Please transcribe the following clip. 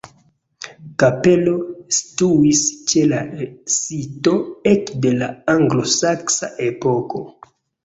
Kapelo situis ĉe la sito ekde la anglosaksa epoko.